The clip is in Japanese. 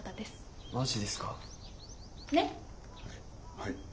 はい。